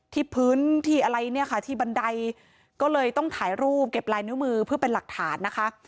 ที่พื้นที่อะไรเนี่ยค่ะที่บันไดก็เลยต้องถ่ายรูปเก็บลายนิ้วมือเพื่อเป็นหลักฐานนะคะ